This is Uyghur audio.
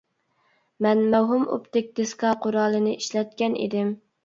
مەن مەۋھۇم ئوپتىك دىسكا قورالىنى ئىشلەتكەن ئىدىم.